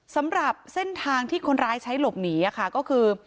สำหรับเส้นทางที่คนร้ายใช้หลบหนีก็คือ